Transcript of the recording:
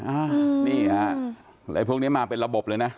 อ่านี่ฮะอะไรพวกนี้มาเป็นระบบเลยนะ